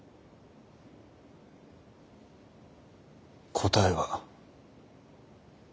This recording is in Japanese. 答えは。